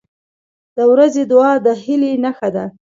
• د ورځې دعا د هیلې نښه ده.